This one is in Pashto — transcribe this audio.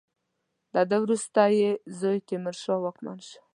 له ده څخه وروسته یې زوی تیمور واکمن شو.